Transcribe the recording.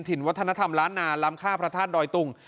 ถิ่นวัฒนธรรมล้านนาลำฆ่าพระท่านดอยตุ่ง